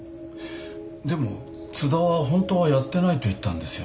でも津田はホントはやってないと言ったんですよね？